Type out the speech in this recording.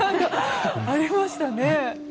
ありましたね。